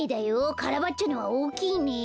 カラバッチョのはおおきいね。